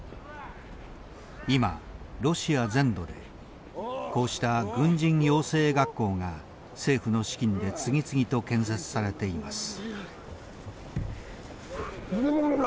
今ロシア全土でこうした軍人養成学校が政府の資金で次々と建設されています。